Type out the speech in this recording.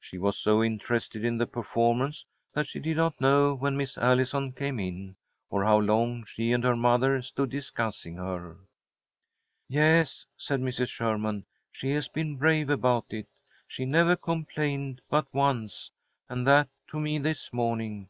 She was so interested in the performance that she did not know when Miss Allison came in, or how long she and her mother stood discussing her. "Yes," said Mrs. Sherman, "she has been brave about it. She never complained but once, and that to me this morning.